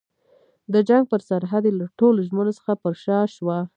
د جنګ پر سرحد یې له ټولو ژمنو څخه پر شا شوه.